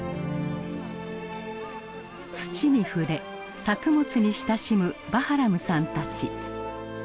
土に触れ作物に親しむバハラムさんたち。